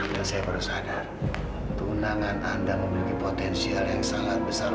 dan saya baru sadar tunangan anda memiliki potensial yang sangat besar